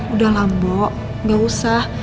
udah lah bu nggak usah